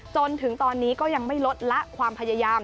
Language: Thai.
จนถึงตอนนี้ก็ยังไม่ลดละความพยายาม